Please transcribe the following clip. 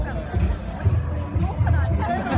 หวัดขบูปล่ะ